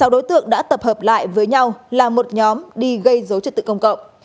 sáu đối tượng đã tập hợp lại với nhau là một nhóm đi gây dối trật tự công cộng